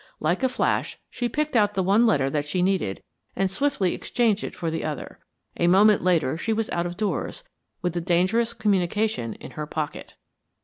Like a flash she picked out the one letter that she needed and swiftly exchanged it for the other. A moment later she was out of doors, with the dangerous communication in her pocket.